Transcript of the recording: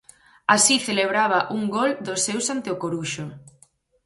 Así celebraba un gol dos seus ante o Coruxo.